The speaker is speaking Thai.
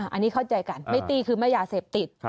อันนี้เข้าใจกันไม่ตี้คือไม่ยาเสพติด